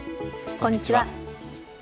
こんにちは。